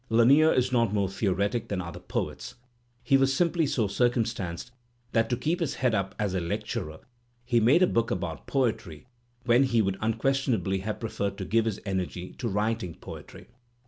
Lanier is not more theoretic than other poets. He was simply so cir cumstanced that to keep his head up as a lecturer he made a book about poetry when he would un questionably have preferred to give his energy to writing poetry.